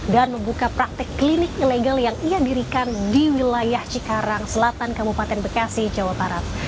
dan membuka praktik klinik ilegal yang ia dirikan di wilayah cikarang selatan kabupaten bekasi jawa barat